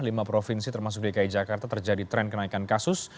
lima provinsi termasuk dki jakarta terjadi tren kenaikan kasus